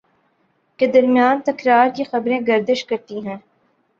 کے درمیان تکرار کی خبریں گردش کرتی ہیں